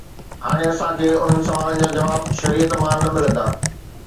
هاڻي اسان کي انهن سوالن جا جواب شريعت مان نه ملندا.